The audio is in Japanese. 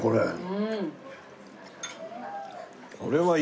うん。